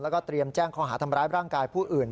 แล้วก็เตรียมแจ้งข้อหาทำร้ายร่างกายผู้อื่น